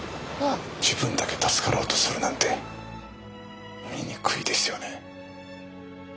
自分だけ助かろうとするなんて醜いですよね。